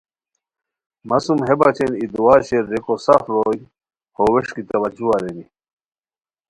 مہ سُم ہے بچین ای دعا شیر ریکو سف روئے ہو ووݰکی توجہ ارینی